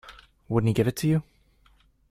Wouldn't he give it to you?